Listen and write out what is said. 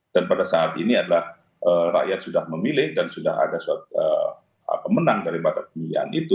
dan pada saat ini adalah rakyat sudah memilih dan sudah ada suatu pemenang daripada pemilihan itu